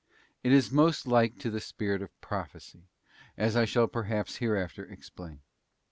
It is most like to the spirit of Prophecy, as I shall perhaps hereafter explain.